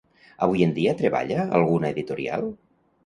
Avui en dia treballa a alguna editorial?